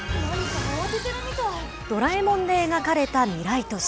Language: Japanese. ドラえもんで描かれた未来都市。